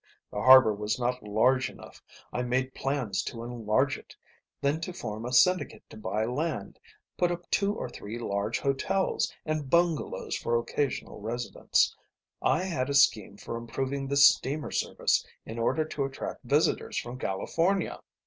The harbour was not large enough. I made plans to enlarge it, then to form a syndicate to buy land, put up two or three large hotels, and bungalows for occasional residents; I had a scheme for improving the steamer service in order to attract visitors from California.